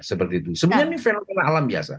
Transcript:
sebenarnya ini fenomena alam biasa